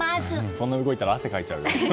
そんなに動いたら汗かいちゃうよ。